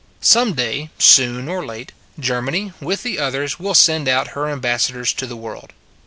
Some day, soon or late, Germany, with the others, will send out her ambassadors to the world.